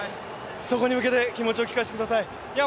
そこに向けて気持ちを聞かせてください。